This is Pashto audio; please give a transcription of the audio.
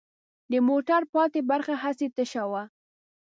د موټر پاتې برخه هسې تشه وه.